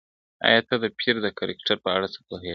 ایا ته د پییر د کرکټر په اړه څه پوهېږې؟